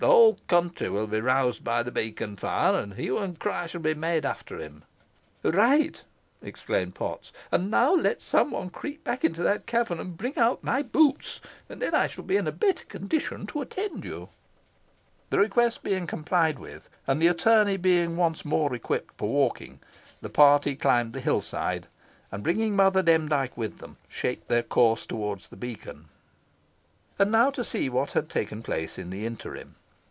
The whole country will be roused by the beacon fire, and hue and cry shall be made after him." "Right!" exclaimed Potts; "and now let some one creep into that cavern, and bring out my boots, and then I shall be in a better condition to attend you." The request being complied with, and the attorney being once more equipped for walking, the party climbed the hill side, and, bringing Mother Demdike with them, shaped their course towards the beacon. And now to see what had taken place in the interim.